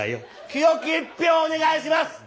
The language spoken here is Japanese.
「清き一票をお願いします！